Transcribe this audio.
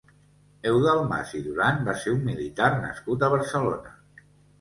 Eudald Mas i Duran va ser un militar nascut a Barcelona.